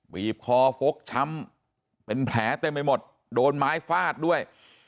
บีบคอฟกช้ำเป็นแผลเต็มไปหมดโดนไม้ฟาดด้วย